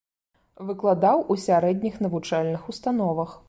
Выкладаў у сярэдніх навучальных установах.